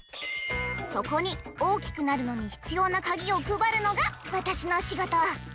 そこに大きくなるのに必要なカギをくばるのがわたしのしごと。